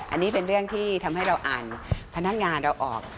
อันนี้เป็นเรื่องที่ทำให้เราอ่านพนักงานเราออก